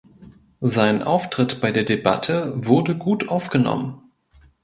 Sein Auftritt bei der Debatte wurde gut aufgenommen.